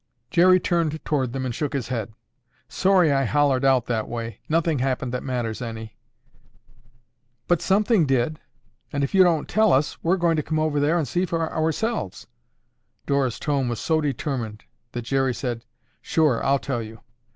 Jerry turned toward them and shook his head. "Sorry I hollered out that way. Nothing happened that matters any." "But something did, and if you don't tell us, we'll come over there and see for ourselves." Dora's tone was so determined that Jerry said, "Sure I'll tell you.